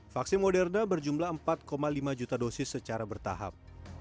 vaksin moderna berjumlah empat lima juta dosis secara bertahap